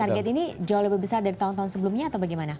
target ini jauh lebih besar dari tahun tahun sebelumnya atau bagaimana